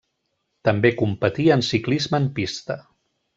També competí en ciclisme en pista.